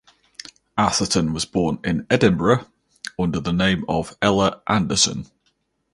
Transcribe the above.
Atherton was born in Edinburgh under the name of Ella Anderson.